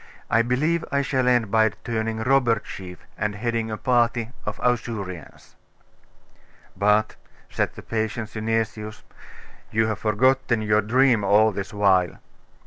I believe I shall end by turning robber chief, and heading a party of Ausurians.' 'But,' said the patient Synesius 'you have forgotten your dream all this while.